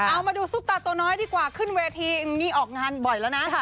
เอามาดูซุปตาตัวน้อยดีกว่าขึ้นเวทีนี่ออกงานบ่อยแล้วนะ